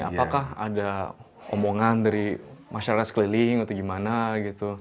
apakah ada omongan dari masyarakat sekeliling atau gimana gitu